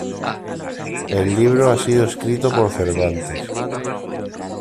El libro ha sido escrito por Cervantes.